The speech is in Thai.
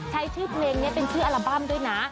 ใช้ชื่อเพลงนี้เป็นชื่ออัลบั้มด้วยนะ